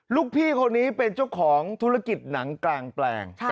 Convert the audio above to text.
ลูกพี่คนนี้เป็นเจ้าของธุรกิจหนังกลางแปลง